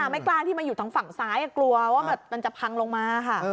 ไม่กล้าที่มาอยู่ทางฝั่งซ้ายกลัวว่ามันจะพังลงมาค่ะ